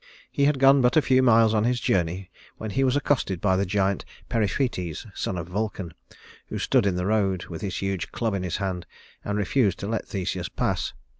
He had gone but a few miles on his journey, when he was accosted by the giant Periphetes, son of Vulcan, who stood in the road, with his huge club in his hand and refused to let Theseus pass.